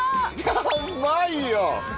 やっばいよ！